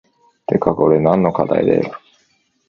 てかこれ何の課題だよ